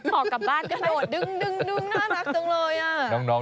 ขอกลับบ้านกันเลยดึงน่ารักจังเลย